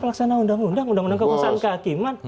pelaksana undang undang undang undang kekuasaan kehakiman